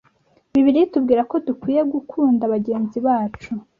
Bibiliya itubwira ko dukwiye gukunda bagenzi bacu.